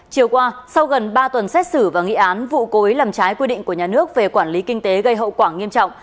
chiều qua sau gần ba tuần xét xử và nghị án vụ cối làm trái quy định của nhà nước về quản lý kinh tế gây hậu quả nghiêm trọng